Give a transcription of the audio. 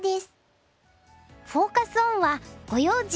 フォーカス・オンは「ご用心！